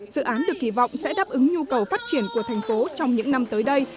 dự án được kỳ vọng sẽ đáp ứng nhu cầu phát triển của thành phố trong những năm tới đây